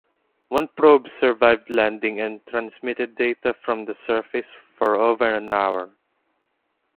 One probe survived landing and transmitted data from the surface for over an hour.